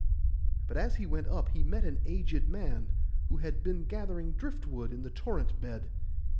But as he went up he met an aged man, who had been gathering drift wood in the torrent bed.